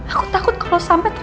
aku takut kalau sampai itu ma